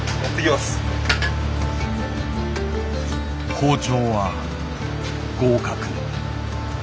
包丁は合格。